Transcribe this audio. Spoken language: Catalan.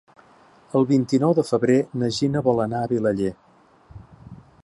El vint-i-nou de febrer na Gina vol anar a Vilaller.